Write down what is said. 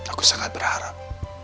aku sangat berharap